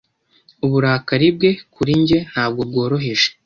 Uburakari bwe kuri njye ntabwo bworoheje.